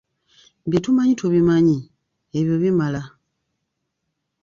Bye tumanyi tubimanyi, Ebyo bimala.